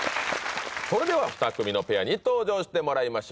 それでは２組のペアに登場してもらいましょう